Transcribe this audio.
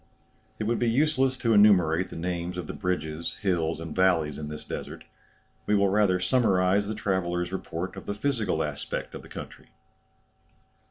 It would be useless to enumerate the names of the bridges, hills, and valleys in this desert. We will rather summarize the traveller's report of the physical aspect of the country.